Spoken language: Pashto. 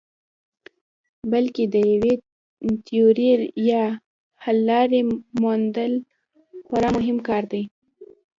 بلکې د یوې تیورۍ یا حللارې موندل خورا مهم کار دی.